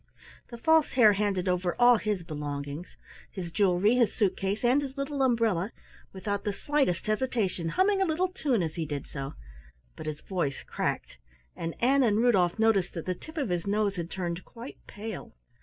The False Hare handed over all his belongings his jewelry, his suit case, and his little umbrella without the slightest hesitation, humming a tune as he did so, but his voice cracked, and Ann and Rudolf noticed that the tip of his nose had turned quite pale.